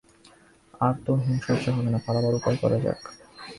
আর তো হিম সহ্য হবে না, পালাবার উপায় করা যাক।